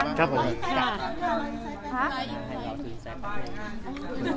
เอาธุรกิจกันนะเป็นไงนะ